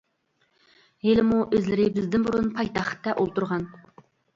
ھېلىمۇ ئۆزلىرى بىزدىن بۇرۇن پايتەختتە ئولتۇرغان.